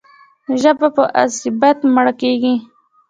ژبه په عصبیت مړه کېږي.